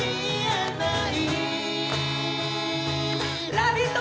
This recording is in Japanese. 「ラヴィット！」